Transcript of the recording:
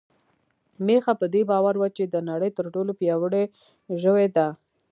میښه په دې باور وه چې د نړۍ تر ټولو پياوړې ژوی ده.